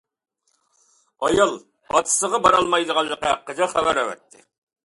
ئايال ئاتىسىغا بارالمايدىغانلىقى ھەققىدە خەۋەر ئەۋەتتى.